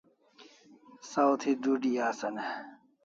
Saw thi dudi asan e?